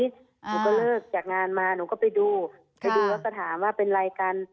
หนูก็เลิกจากงานมาหนูก็ไปดูไปดูแล้วก็ถามว่าเป็นอะไรกัน